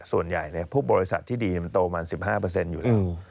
ส่วนใหญ่พวกบริษัทที่ดีมันโตมา๑๕อยู่แล้ว